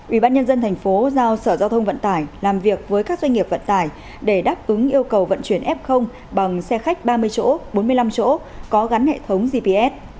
ubnd tp giao sở giao thông vận tải làm việc với các doanh nghiệp vận tải để đáp ứng yêu cầu vận chuyển f bằng xe khách ba mươi chỗ bốn mươi năm chỗ có gắn hệ thống gps